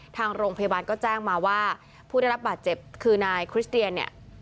ทางโรงพยาบาลก็แจ้งมาว่าผู้ได้รับบาดเจ็บคือนายคริสเตียนเนี่ย